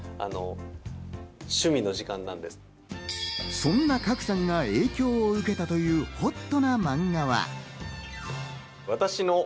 そんな賀来さんが影響を受けたという、ほっとなマンガは。